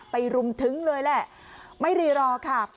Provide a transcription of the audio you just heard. รุมทึ้งเลยแหละไม่รีรอค่ะ